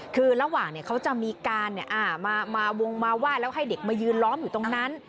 คือระหว่างเขาจะมีการมาวงมาไหว้แล้วให้เด็กมายืนล้อมอยู่ตรงนั้น